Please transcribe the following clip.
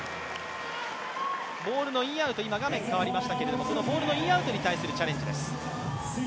ボールのインアウト、今、画面が変わりましたけど、このボールのインアウトに対するチャレンジです。